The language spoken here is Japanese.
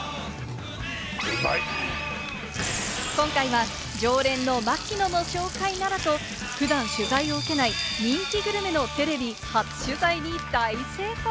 今回は、「常連の槙野の紹介なら」と、普段取材を受けない人気グルメのテレビ初取材に大成功！